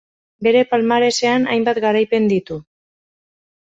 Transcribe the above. Bere palmaresean hainbat garaipen ditu.